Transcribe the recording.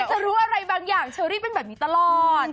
จะรู้อะไรบางอย่างเชอรี่เป็นแบบนี้ตลอด